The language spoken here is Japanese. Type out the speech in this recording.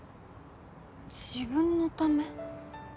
自分のため？